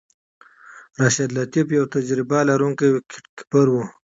راشد لطيف یو تجربه لرونکی وکټ کیپر وو.